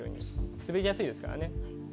滑りやすいですからね。